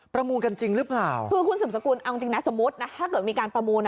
ประมูลกันจริงหรือเปล่าคือคุณสืบสกุลเอาจริงนะสมมุตินะถ้าเกิดมีการประมูลอ่ะ